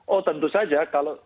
oh tentu saja